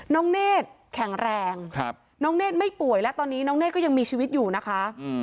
เนธแข็งแรงน้องเนธไม่ป่วยและตอนนี้น้องเนธก็ยังมีชีวิตอยู่นะคะ